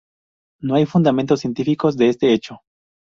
No hay fundamentos científicos de este hecho.